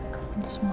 kamu semua harus mati